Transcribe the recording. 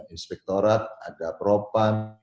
inspektorat ada propan